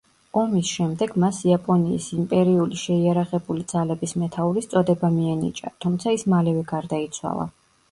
ომის შემდეგ მას იაპონიის იმპერიული შეიარაღებული ძალების მეთაურის წოდება მიენიჭა, თუმცა, ის მალევე გარდაიცვალა.